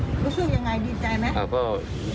รู้สึกยังไงดีใจไหม